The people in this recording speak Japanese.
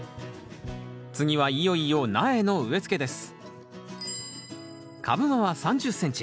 次はいよいよ苗の植え付けです